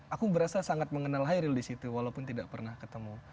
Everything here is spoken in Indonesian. aku berasa sangat mengenal hairil di situ walaupun tidak pernah ketemu